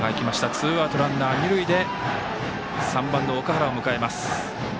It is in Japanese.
ツーアウト、ランナー、二塁で３番の岳原を迎えます。